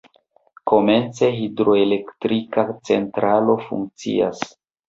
Komence hidroelektra centralo funkcias.